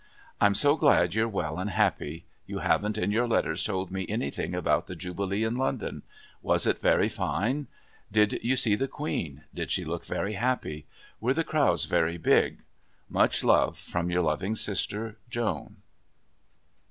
I'm so glad you're well, and happy. You haven't in your letters told me anything about the Jubilee in London. Was it very fine? Did you see the Queen? Did she look very happy? Were the crowds very big? Much love from your loving sister, JOAN.